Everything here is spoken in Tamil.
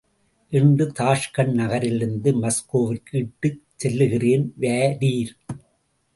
இன்று தாஷ்கண்ட் நகரிலிருந்து, மாஸ்கோவிற்கு இட்டு செல்லுகிறேன், வாரீர்.